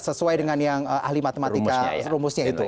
sesuai dengan yang ahli matematika rumusnya itu ya